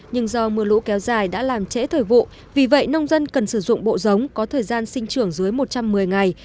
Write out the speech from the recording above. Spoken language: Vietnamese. nhưng do mưa lũ kéo dài đã làm trễ thời vụ vì vậy nông dân cần sử dụng bộ giống có thời gian sinh trưởng dưới một trăm một mươi ngày